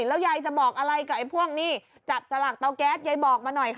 แล้วยายจะบอกอะไรกับไอ้พวกนี่จับสลากเตาแก๊สยายบอกมาหน่อยค่ะ